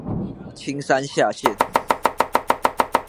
青山下線